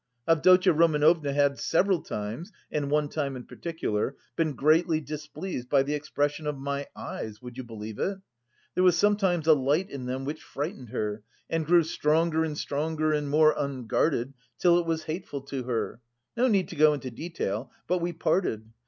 Avdotya Romanovna had several times and one time in particular been greatly displeased by the expression of my eyes, would you believe it? There was sometimes a light in them which frightened her and grew stronger and stronger and more unguarded till it was hateful to her. No need to go into detail, but we parted.